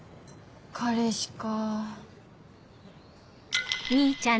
彼氏か。